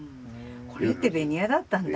これってベニヤだったんだ。